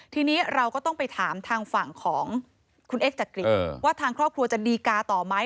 ทีนี้เราก็ต้องไปถามทางฝั่งของคุณเอ็กจักริตว่าทางครอบครัวจะดีกาต่อไหม